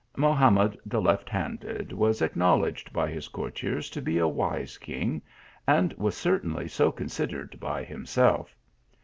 Mohamed the left handed was acknowledged by his courtiers to be a wise king, and was certainly so considered by himself.